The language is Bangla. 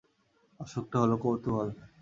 অসুখটা হলো কৌতূহল!